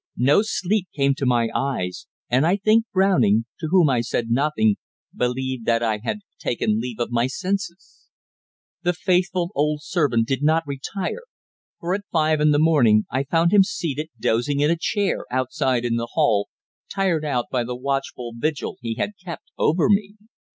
No sleep came to my eyes, and I think Browning to whom I said nothing believed that I had taken leave of my senses. The faithful old servant did not retire, for at five in the morning I found him seated dozing in a chair outside in the hall, tired out by the watchful vigil he had kept over me.